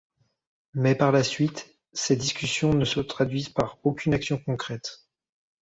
Mais par la suite ces discussions ne se traduisent par aucune action concrète.